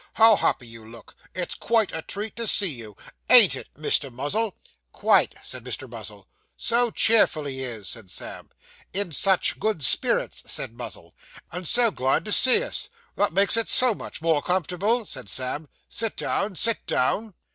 How happy you look. It's quite a treat to see you; ain't it, Mr. Muzzle?' 'Quite,' said Mr. Muzzle. 'So cheerful he is!' said Sam. 'In such good spirits!' said Muzzle. 'And so glad to see us that makes it so much more comfortable,' said Sam. 'Sit down; sit down.